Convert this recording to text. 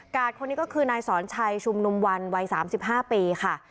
คนนี้ก็คือนายสอนชัยชุมนุมวันวัย๓๕ปีค่ะ